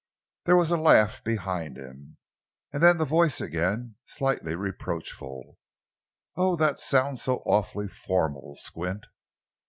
There was a laugh behind him, and then the voice again, slightly reproachful: "Oh, that sounds so awfully formal, Squint!"